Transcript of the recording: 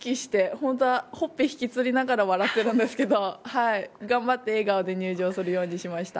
本当はほっぺ引きつりながら笑っているんですけど頑張って笑顔で入場するようにしました。